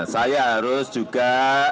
saya harus juga